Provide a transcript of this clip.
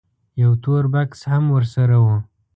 یو تور بکس هم ورسره و.